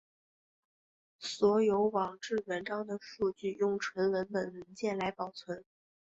所有网志文章的数据用纯文本文件来保存。